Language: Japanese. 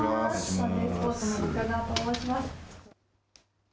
サンデースポーツの中川と申します。